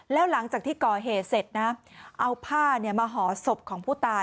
แล้วหลังจากที่ก่อเหตุเสร็จนะเอาผ้ามาห่อศพของผู้ตาย